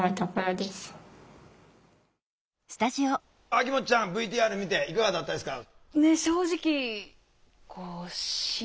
秋元ちゃんＶＴＲ見ていかがだったですか？